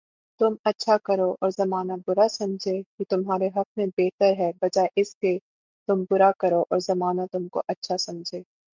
تم اچھا کرو اور زمانہ برا سمجھے، یہ تمہارے حق میں بہتر ہے بجائے اس کے تم برا کرو اور زمانہ تم کو اچھا سمجھے